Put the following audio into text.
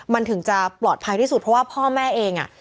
มันถึงจะปลอดภัยที่สุดเพราะว่าพ่อแม่เองอ่ะ